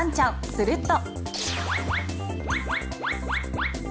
すると。